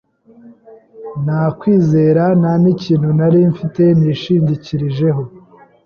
Nta kwizera, nta nikintu nari mfite nishingikirijeho